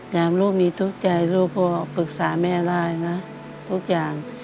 ลูกนี้ทุกข์ใจลูกพอปรึกษาแม่ได้นะทุกอย่าง